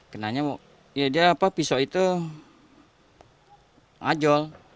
kenanya pisau itu ajol